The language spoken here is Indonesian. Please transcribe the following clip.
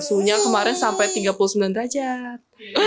suhunya kemarin sampai tiga puluh sembilan derajat